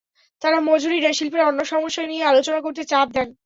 তাঁরা মজুরি নয়, শিল্পের অন্য সমস্যা নিয়ে আলোচনা করতে চাপ দেন।